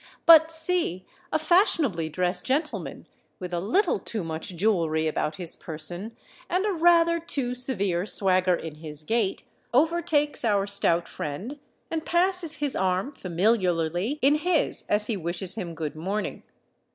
But, see—a fashionably dressed gentleman, with a little too much jewellery about his person, and a rather too severe swagger in his gait, overtakes our stout friend, and passes his arm familiarly in his as he wishes him "good morning."